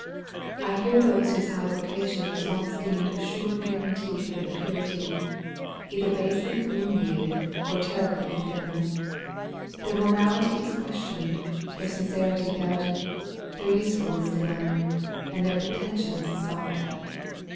I hear those whose high vocation was once deemed a sure guarantee for their purity, either basely calumniated, or terribly condemned. Their morality is questioned, their sincerity doubted, their usefulness denied, and their pretensions scoffed at.